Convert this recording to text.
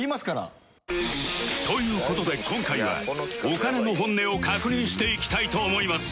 という事で今回はお金のホンネを確認していきたいと思います